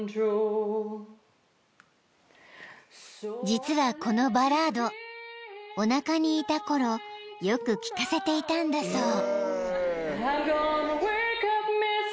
［実はこのバラードおなかにいたころよく聞かせていたんだそう］